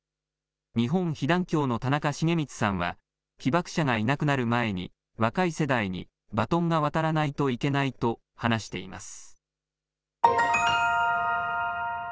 日本被団協の田中重光さんは被爆者がいなくなる前に若い世代にバトンが渡らないといけないと話しています。